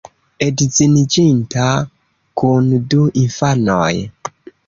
Edziniĝinta kun du infanoj.